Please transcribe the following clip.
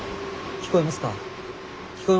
聞こえますか？